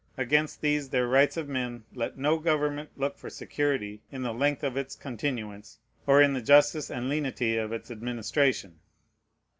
Against these their rights of men let no government look for security in the length of its continuance, or in the justice and lenity of its administration.